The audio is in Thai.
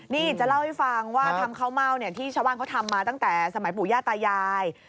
นี่จะเล่าให้ฟังว่าทำข้าวเม่าที่ชาวบ้านเขาทำมาตั้งแต่สมัยปู่ย่าตายาย